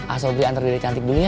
asobri antar diri cantik dulu ya